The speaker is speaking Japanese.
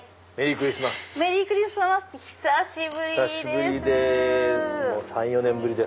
久しぶりです！